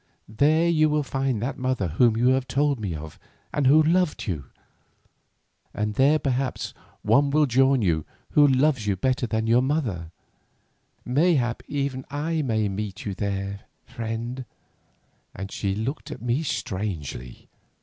There you will find that mother whom you have told me of, and who loved you, and there perhaps one will join you who loves you better than your mother, mayhap even I may meet you there, friend," and she looked up at me strangely.